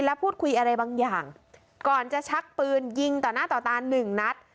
และพูดคุยอะไรบางอย่างก่อนจะชักปืนยิงต่อหน้าต่อตาหนึ่งนัด